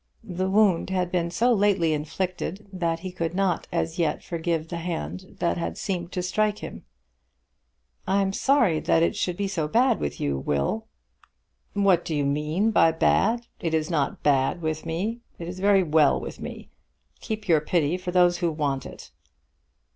The wound had been so lately inflicted that he could not as yet forgive the hand that had seemed to strike him. "I'm sorry that it should be so bad with you, Will." "What do you mean by bad? It is not bad with me. It is very well with me. Keep your pity for those who want it."